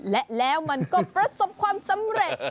และแล้วมันก็ประสบความสำเร็จ